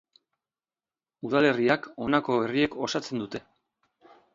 Udalerriak honako herriek osatzen dute.